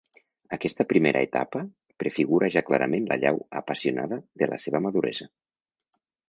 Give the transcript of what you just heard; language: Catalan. Aquesta primera etapa prefigura ja clarament l'allau apassionada de la seva maduresa.